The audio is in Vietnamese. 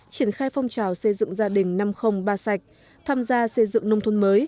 triển khai phong trào xây dựng gia đình năm trăm linh ba sạch tham gia xây dựng nông thôn mới